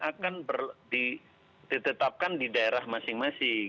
akan ditetapkan di daerah masing masing